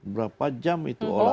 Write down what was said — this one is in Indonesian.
berapa jam itu orang